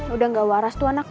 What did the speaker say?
udah gak waras tuh anak